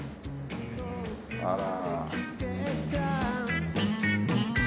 あら。